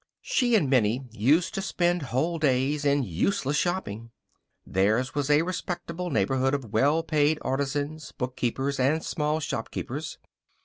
She and Minnie used to spend whole days in useless shopping. Theirs was a respectable neighborhood of well paid artisans, bookkeepers, and small shopkeepers.